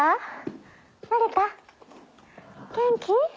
元気？